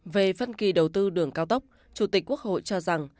về phân kỳ đầu tư đường cao tốc chủ tịch quốc hội cho rằng